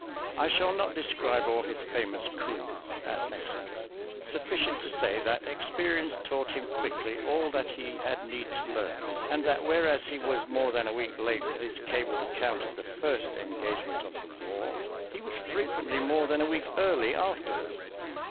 I shall not describe all his famous coups at Mexico. Sufficient to say that experience taught him quickly all that he had need to learn; and that whereas he was more than a week late with his cabled account of the first engagement of the war he was frequently more than a week early afterwards.